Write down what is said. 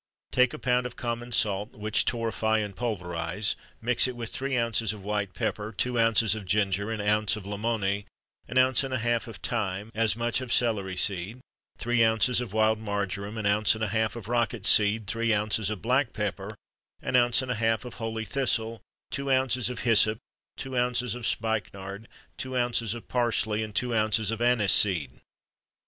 Take a pound of common salt, which torrefy and pulverize; mix it with three ounces of white pepper, two ounces of ginger, an ounce of lamoni, an ounce and a half of thyme, as much of celery seed, three ounces of wild marjoram, an ounce and a half of rocket seed, three ounces of black pepper, an ounce and a half of holy thistle, two ounces of hyssop, two ounces of spikenard, two ounces of parsley, and two ounces of anise seed.